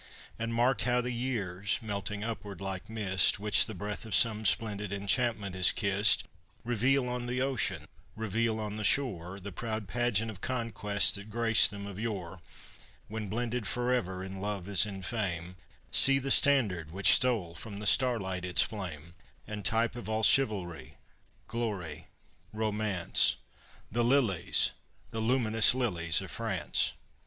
And mark how the years melting upward like mist Which the breath of some splendid enchantment has kissed, Reveal on the ocean, reveal on the shore The proud pageant of conquest that graced them of yore, When blended forever in love as in fame See, the standard which stole from the starlight its flame, And type of all chivalry, glory, romance, The lilies, the luminous lilies of France.